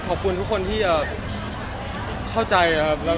ขอบคุณทุกคนที่เข้าใจ